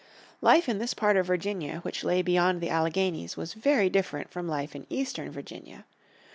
Life in this part of Virginia which lay beyond the Alleghenies was very different from life in Eastern Virginia.